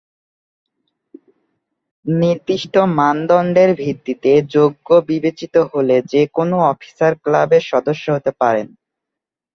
নির্দিষ্ট মানদন্ডের ভিত্তিতে যোগ্য বিবেচিত হলে যে কোনো অফিসার ক্লাবের সদস্য হতে পারেন।